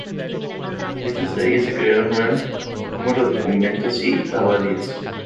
Gracias a ella se crearon gran número de conventos y abadías.